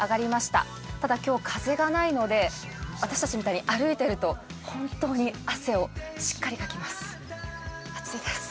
ただ、今日、風がないので私たちみたいに歩いてると本当に汗をしっかりかきます、暑いです。